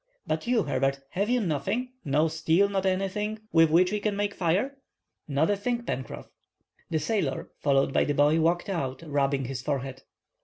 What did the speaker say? But you, Herbert, have you nothing: no steel, not anything, with which we can make fire?" "Not a thing, Pencroff." The sailor, followed by the boy, walked out, rubbing his forehead.